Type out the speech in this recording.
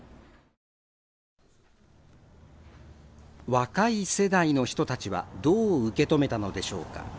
若い世代の人たちはどう受け止めたのでしょうか。